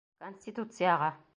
Конституцияға.